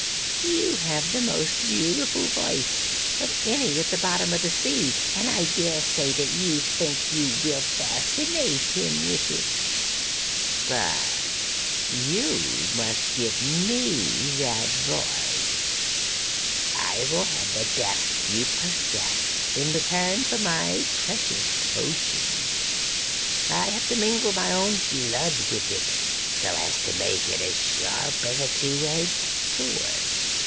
You have the most beautiful voice of any at the bottom of the sea, and I daresay that you think you will fascinate him with it; but you must give me that voice; I will have the best you possess in return for my precious potion! I have to mingle my own blood with it so as to make it as sharp as a two edged sword.'